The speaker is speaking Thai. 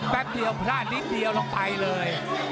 แป๊บเดียวพลาดนิดเดียวลงไปเลย